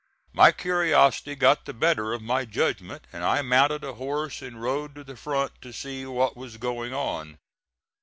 My curiosity got the better of my judgment, and I mounted a horse and rode to the front to see what was going on.